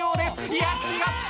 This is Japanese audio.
いや違った！